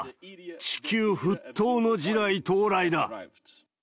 地球沸騰の時代到来だ。